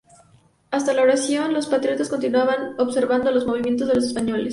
Hasta la oración, los patriotas continuaban observando los movimientos de los españoles.